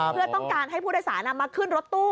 เพื่อต้องการให้ผู้โดยสารนำมาขึ้นรถตู้